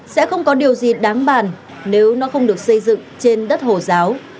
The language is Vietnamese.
sẽ không có điều gì đáng bàn nếu nó không được xây dựng trên đất hồ giáo